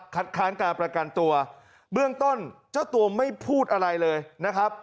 ค้านการประกันตัวเบื้องต้นเจ้าตัวไม่พูดอะไรเลยนะครับ